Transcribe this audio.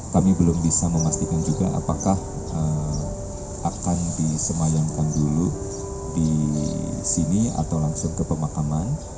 kami belum bisa memastikan juga apakah akan disemayangkan dulu disini atau langsung ke pemakaman